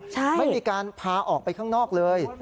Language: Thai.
ใช่ไม่มีการพาออกไปข้างนอกเลย